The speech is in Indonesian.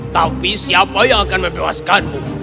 tapi siapa yang akan membebaskanmu